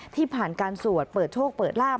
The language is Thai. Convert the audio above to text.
ที่ผ่านการสวดเปิดโชคเปิดลาบ